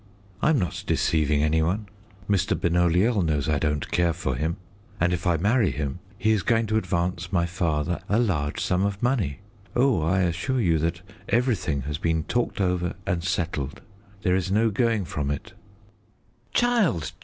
I'm not deceiving any one. Mr. Benoliel knows I don't care for him; and if I marry him, he is going to advance my father a large sum of money. Oh, I assure you that everything has been talked over and settled. There is no going from it." "Child!